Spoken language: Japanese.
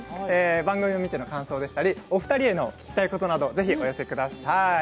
番組を見ての感想やお二人へ聞きたいことなどをぜひお寄せください。